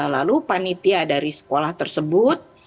lalu panitia dari sekolah tersebut